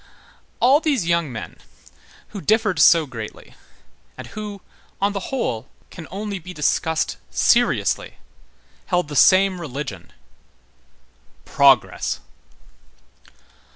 All these young men who differed so greatly, and who, on the whole, can only be discussed seriously, held the same religion: Progress.